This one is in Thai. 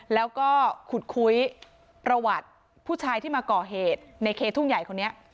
แล้วก็ขุดคุยประวัติผู้ชายที่มาก่อเหตุในเคทุ่งใหญ่คนนี้